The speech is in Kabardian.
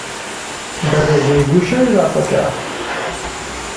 Бэрэжьей гущэ ирапӀыкӀа?